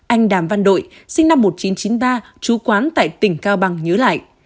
anh đàm văn đội sinh năm một nghìn chín trăm chín mươi ba trú quán tại tỉnh cao bằng nhớ lại